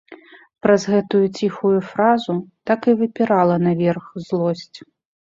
Праз гэтую ціхую фразу так і выпірала наверх злосць.